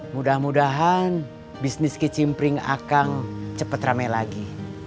mudah mudahan bisnis kicimpring akang cepet rame lagi